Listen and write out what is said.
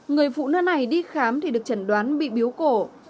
người phụ nữ này đi khám thì được chẩn đoán bị biếu cổ